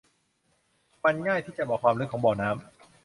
มันง่ายที่จะบอกความลึกของบ่อน้ำ